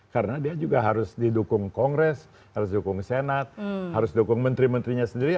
karena dia juga harus didukung kongres harus didukung senat harus didukung menteri menterinya sendiri